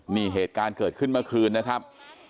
นี่เหตุการณ์เกิดขึ้นเมื่อคืนนะครับ